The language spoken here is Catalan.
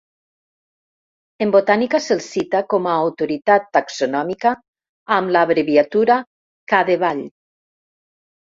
En botànica se'l cita com a autoritat taxonòmica amb l'abreviatura Cadevall.